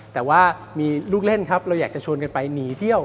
แต่ว่ามีลูกเล่นครับเราอยากจะชวนกันไปหนีเที่ยว